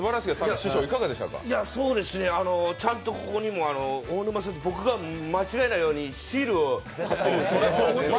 ちゃんと、ここにも大沼さんって僕が間違えないようにシールを貼ってるんです。